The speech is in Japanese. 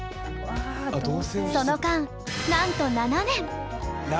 その間なんと７年！